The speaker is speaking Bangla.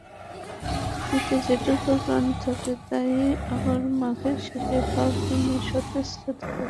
শীতে যেটুকু প্রাণ থাকে, তা-ই আবার মাঘের শেষে ফাল্গুনে সতেজ হতে থাকে।